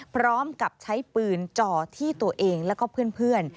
พร้อมกับใช้ปืนจ่อที่ตัวเองแล้วก็เพื่อน